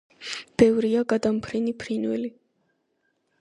ბევრია გადამფრენი ფრინველი.